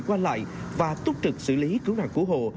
qua lại và túc trực xử lý cứu nạn cứu hộ